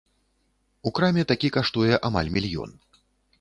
У краме такі каштуе амаль мільён.